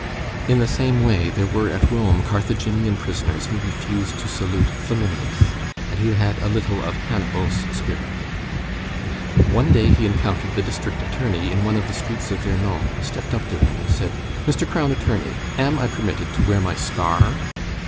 In the same way, there were at Rome Carthaginian prisoners who refused to salute Flaminius, and who had a little of Hannibal's spirit. One day he encountered the district attorney in one of the streets of Vernon, stepped up to him, and said: "Mr. Crown Attorney, am I permitted to wear my scar?"